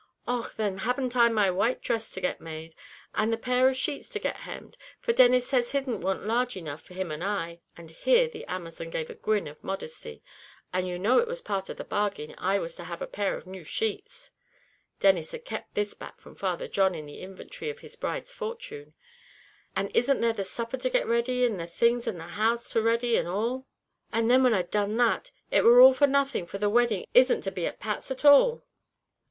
"Och! then, hadn't I my white dress to get made, and the pair of sheets to get hemmed, for Denis said his'n warn't large enough for him and I," and here the Amazon gave a grin of modesty, "and you know it was part of the bargain, I was to have a pair of new sheets" (Denis had kept this back from Father John in his inventory of his bride's fortune); "and isn't there the supper to get ready, and the things, and the house to ready and all! and then when I'd done that, it war all for nothing, for the wedding isn't to be at Pat's at all."